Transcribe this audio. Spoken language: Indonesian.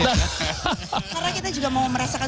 karena kita juga mau merasakan